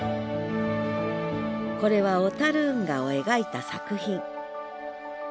これは小運河を描いた作品。